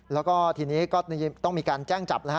แล้วก็ทีนี้ก็ต้องมีการแจ้งจับนะฮะ